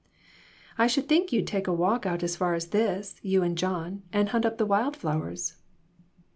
" I should think you'd take a walk out as far as this, you and John, and hunt up the wild flowers."